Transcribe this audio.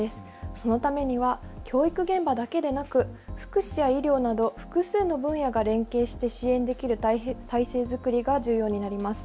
そのためには教育現場だけでなく福祉や医療など複数の分野が連携して支援できる体制作りが重要になります。